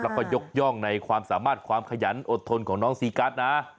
แล้วก็ยกย่องในความสามารถความขยันอดทนของน้องซีกัสนะ